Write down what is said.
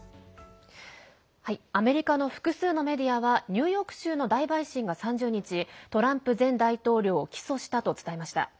アメリカの複数のメディアはニューヨーク州の大陪審が３０日トランプ前大統領を起訴したと伝えました。